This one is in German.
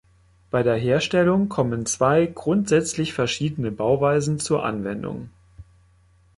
Bei der Herstellung kommen zwei grundsätzlich verschiedene Bauweisen zur Anwendung.